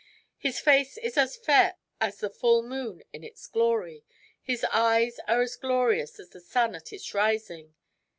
His face is as fair as the full moon in its glory. His eyes are as glorious as the sun at its rising.